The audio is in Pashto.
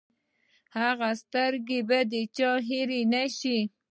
هغه سترګې به د چا هېرې شي!